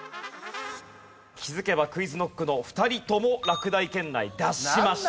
気づけばＱｕｉｚＫｎｏｃｋの２人とも落第圏内脱しました。